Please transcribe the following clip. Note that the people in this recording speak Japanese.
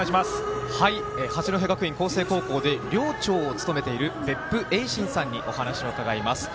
八戸学院光星高校で寮長を務めているべっぷえいしんさんにお話を伺います。